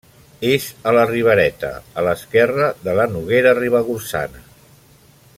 És a la Ribereta, a l'esquerra de la Noguera Ribagorçana.